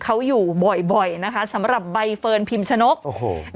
เขาอยู่บ่อยบ่อยนะคะสำหรับใบเฟิร์นพิมชนกโอ้โห